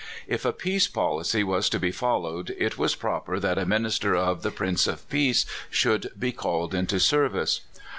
If a peace policy was to be followed, it was proper that a minister of the Prince of Peace should be called into service.